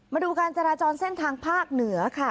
มาดูการจราจรเส้นทางภาคเหนือค่ะ